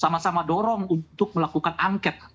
sama sama dorong untuk melakukan angket